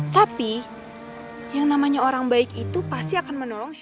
tapi yang namanya orang baik itu pasti akan menolong